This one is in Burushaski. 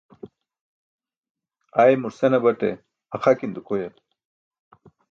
Aymur senabate axakin dukoyal.